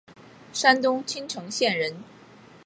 山东青城县人。